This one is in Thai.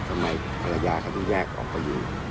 ทำไมภรรยาก็ไม่แยกออกไปอยู่